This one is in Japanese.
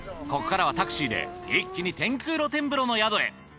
ここからはタクシーで一気に天空露天風呂の宿へ。